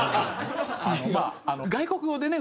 まあ外国語でね